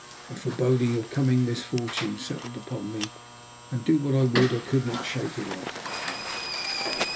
A foreboding of coming misfortune settled upon me, and do what I would I could not shake it off.